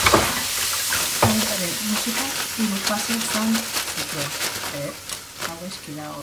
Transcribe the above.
Taldearen musikak hiru fase zan zituen.